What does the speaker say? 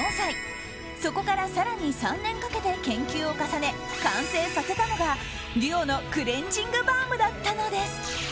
そこから更に３年かけて研究を重ね完成させたのがＤＵＯのクレンジングバームだったのです。